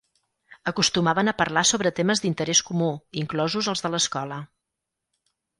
Acostumaven a parlar sobre temes d'interès comú, inclosos els de l'escola.